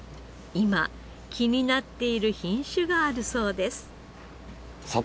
今気になっている品種があるそうです。